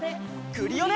クリオネ！